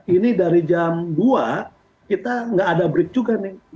ini dari jam dua kita nggak ada break juga nih